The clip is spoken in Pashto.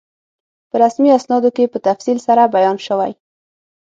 په رسمي اسنادو کې په تفصیل سره بیان شوی.